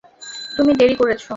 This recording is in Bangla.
তুমি দেরি করেছ।